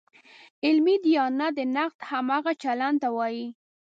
علمي دیانت د نقد همغه چلن ته وایي.